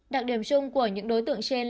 đặc điểm chung của những đối tượng trên